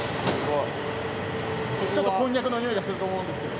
ちょっとこんにゃくの匂いがすると思うんですけど。